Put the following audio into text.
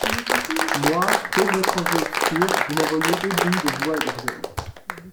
Moi, pauvre étranger obscur, vous m'en voyez ébloui de joie et d'orgueil.